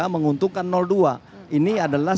menguntungkan dua ini adalah